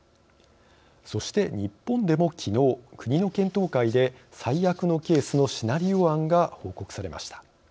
そして日本でもきのう国の検討会で最悪のケースのシナリオ案が報告されました。